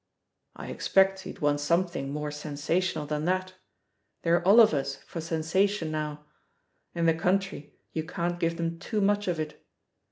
"I expect he'd want something more sensa tional than that — ^they're Olivers for sensation now. In the country you can't give them too much of it.